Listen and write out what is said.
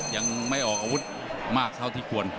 ยังไม่ออกอาวุธมากเท่าที่ควร